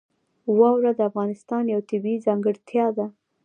واوره د افغانستان یوه طبیعي ځانګړتیا ده.